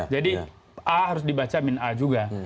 jadi a harus dibaca min a juga